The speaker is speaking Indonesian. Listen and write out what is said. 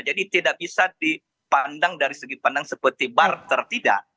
jadi tidak bisa dipandang dari segi pandang seperti bar tertidak